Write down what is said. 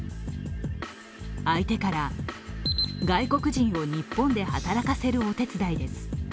相手から、外国人を日本で働かせるお手伝いです。